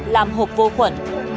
làm hộp vô khuẩn